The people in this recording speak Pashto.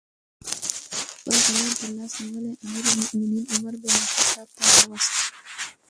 خپل غلام ترلاس نیولی امیر المؤمنین عمر بن الخطاب ته وروست.